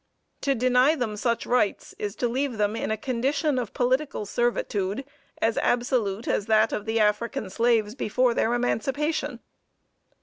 To deny them such rights, is to leave them in a condition of political servitude as absolute as that of the African slaves before their emancipation.